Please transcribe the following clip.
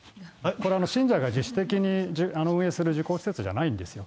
これは信者が自主的に運営する受講施設じゃないんですよ。